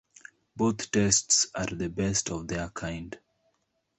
Both tests are the best of their kind.